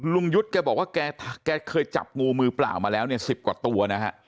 ลุงยุทธ์แกบอกว่าแกเคยจับงูมือเปล่ามาแล้วเนี่ย๑๐กว่าตัวนะฮะ